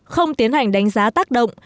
không tiến hành đánh giá tác động